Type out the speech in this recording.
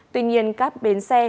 tuy nhiên các bến xe